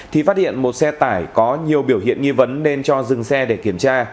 thì phát hiện một xe tải có nhiều biểu hiện nghi vấn nên cho dừng xe để kiểm tra